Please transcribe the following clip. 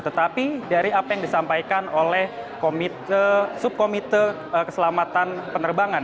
tetapi dari apa yang disampaikan oleh subkomite keselamatan penerbangan